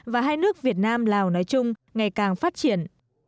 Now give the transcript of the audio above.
và hai nước việt nam lào nói chung ngày càng phát triển